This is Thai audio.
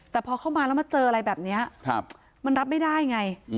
แต่พอเข้ามาแล้วมาเจออะไรแบบนี้มันรับไม่ได้ไง